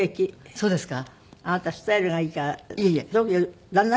そうですか。